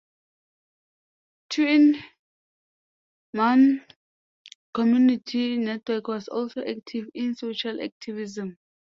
Tuen Mun Community Network was also active in social activism.